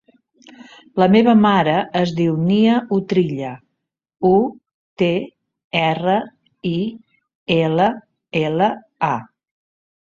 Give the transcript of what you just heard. La meva mare es diu Nia Utrilla: u, te, erra, i, ela, ela, a.